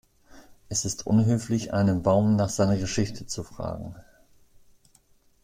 Es ist unhöflich, einen Baum nach seiner Geschichte zu fragen.